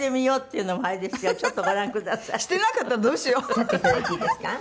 「立っていただいていいですか？」